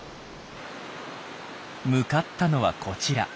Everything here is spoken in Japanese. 向かったのはこちら。